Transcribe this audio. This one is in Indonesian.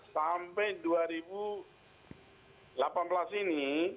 sampai dua ribu delapan belas ini